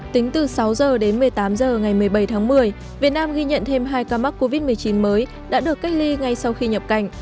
tính từ sáu h đến một mươi tám h ngày một mươi bảy tháng một mươi việt nam ghi nhận thêm hai ca mắc covid một mươi chín mới đã được cách ly ngay sau khi nhập cảnh